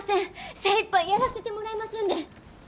精いっぱいやらせてもらいますんで。